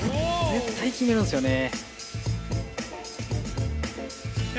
絶対決めるんですよね。